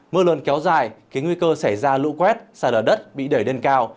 mưa lớn kéo dài khi nguy cơ xảy ra lũ quét sàn lở đất bị đẩy lên cao